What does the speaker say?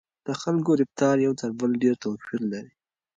د خلکو رفتار یو تر بل ډېر توپیر لري.